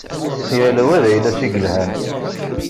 Yal wa d ayla-s i yelhan.